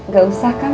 gak usah kang